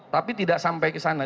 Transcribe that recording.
tapi tidak sampai kesana